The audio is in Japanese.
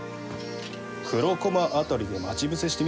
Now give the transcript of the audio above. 黒駒辺りで待ち伏せしてみては？